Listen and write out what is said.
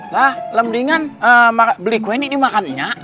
lah lembingan beli kueni nih makannya